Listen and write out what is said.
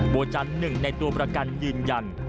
บัวจันทร์หนึ่งในตัวประกันยืนยัน